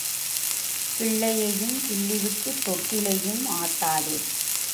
பிள்ளையையும் கிள்ளிவிட்டு தொட்டிலையும் ஆட்டாதே.